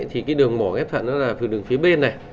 thì đường mổ ghép thận là phía bên